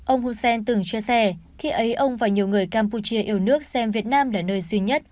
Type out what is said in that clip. ông hussen từng chia sẻ khi ấy ông và nhiều người campuchia yêu nước xem việt nam là nơi duy nhất